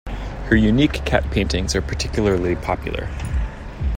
His unique cat paintings are particularly popular.